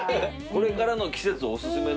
これからの季節お勧めの。